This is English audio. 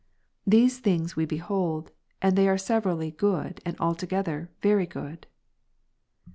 These things we behold, and they are severally good, and al together very good.